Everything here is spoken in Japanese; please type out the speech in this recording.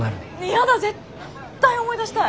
やだ絶対思い出したい！